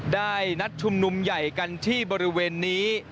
ได้นัดชุมนุมใหญ่กันที่บริเวณนี้